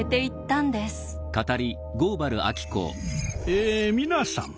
え皆さん